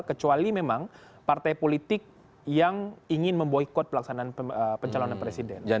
kecuali memang partai politik yang ingin memboykot pelaksanaan pencalonan presiden